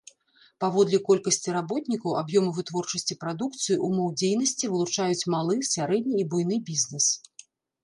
Паводле колькасці работнікаў, аб'ёму вытворчасці прадукцыі, умоў дзейнасці вылучаюць малы, сярэдні і буйны бізнес.